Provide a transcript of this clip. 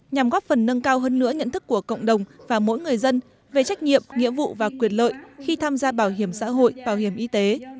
nhằm góp phần nâng cao hơn nữa nhận thức của cộng đồng và mỗi người dân về trách nhiệm nghĩa vụ và quyền lợi khi tham gia bảo hiểm xã hội bảo hiểm y tế